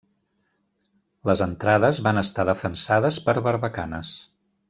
Les entrades van estar defensades per barbacanes.